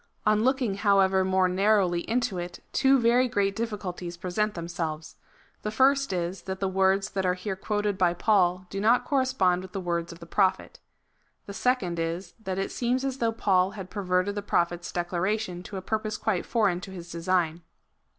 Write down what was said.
On looking, however, more narrowly into it, two very great diffi culties present themselves. The first is, that the words that are here quoted by Paul do not correspond with the words of the Prophet. The second is, that it seems as though Paul had perverted the Prophet's declaration to a purpose quite foreign to his design.